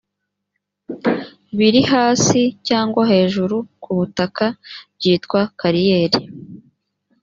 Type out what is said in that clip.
biri hasi cyangwa hejuru ku butaka byitwa kariyeri.